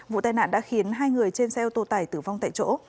vụ tai nạn đã khiến hai người trên xe ô tô tải tử vong tại chỗ